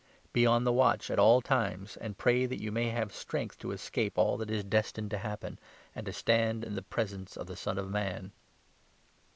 Be on the 36 watch at all times, and pray that you may have strength to escape all that is destined to happen, and to stand in the presence of the Son of Man."